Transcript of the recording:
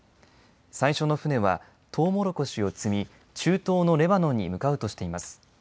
最初の船はトウモロコシを積み中東のレバノンに向かうとしています。